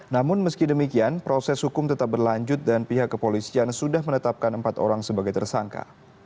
namun meski demikian proses hukum tetap berlanjut dan pihak kepolisian sudah menetapkan empat orang sebagai tersangka